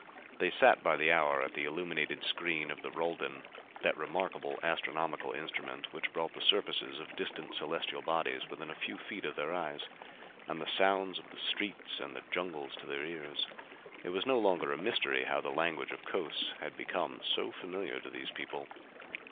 They sat by the hour at the illuminated screen of the rulden, that remarkable astronomical instrument which brought the surfaces of distant celestial bodies within a few feet of their eyes, and the sounds of the streets and the jungles to their ears. It was no longer a mystery how the language of Cos had become so familiar to these people.